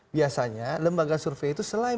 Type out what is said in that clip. biasanya lembaga survei itu selain